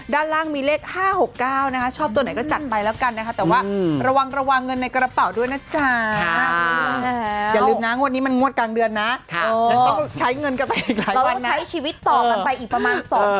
ด้านล่างมีเลข๕๖๙นะชอบตัวไหนก็จัดไปแล้วกันนะฮะแต่ว่าระวังเงินในกระเป๋าด้วยนะจ๊ะอย่าลืมนะวันนี้มันงวดกลางเดือนนะใช้เงินก็ไปอีกแล้วใช้ชีวิตต่อไปอีกประมาณ๒สัปดาห์